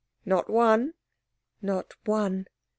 "Not one?" "Not one."